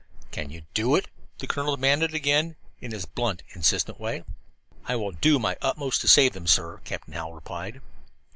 "Can you do it?" the colonel demanded again, in his blunt, insistent way. "I will do my utmost to save them, sir," Captain Hallowell replied.